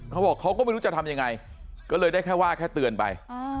เขาบอกเขาก็ไม่รู้จะทำยังไงก็เลยได้แค่ว่าแค่เตือนไป